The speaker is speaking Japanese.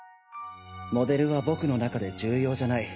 モデルは僕の中で重要じゃない。